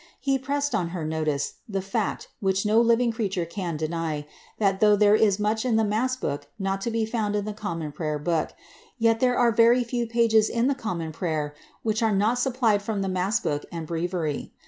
He pressed on her notice, the fact, which no living creature can deny, ^t though there is much in the mass book not to be found in the Common Prayer Book, yet there are very few pages in the Common Prayer which are not supplied from the mass book and breviary.